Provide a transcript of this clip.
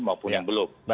maupun yang belum